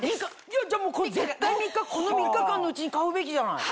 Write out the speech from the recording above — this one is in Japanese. じゃあこの３日間のうちに買うべきじゃない！